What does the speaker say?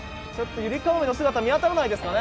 ユリカモメの姿、見当たらないですかね？